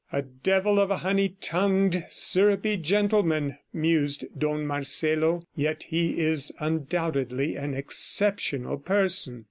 "A devil of a honey tongued, syrupy gentleman!" mused Don Marcelo. "Yet he is undoubtedly an exceptional person!"